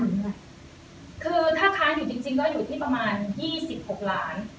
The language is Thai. คือถ้าค้าว่าอันนี้อยู่จริงคือจริงจริงก็อยู่ที่ประมาณ๒๖หลาน